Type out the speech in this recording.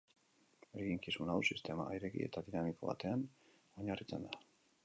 Eginkizun hau sistema ireki eta dinamiko batean oinarritzen da.